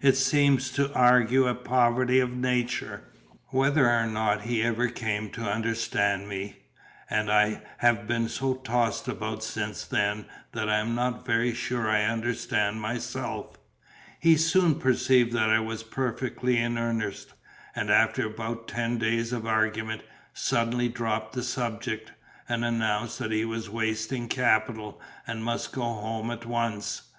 It seems to argue a poverty of nature." Whether or not he ever came to understand me and I have been so tossed about since then that I am not very sure I understand myself he soon perceived that I was perfectly in earnest; and after about ten days of argument, suddenly dropped the subject, and announced that he was wasting capital, and must go home at once.